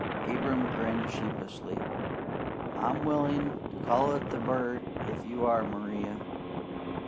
Abram grinned sheepishly. "I'm willin' to call it the bird if you are, Maria.